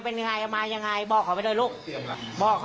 มึงอยากให้ผู้ห่างติดคุกหรอ